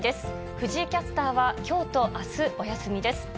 藤井キャスターは、きょうとあす、お休みです。